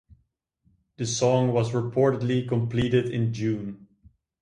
The song was reportedly completed in June.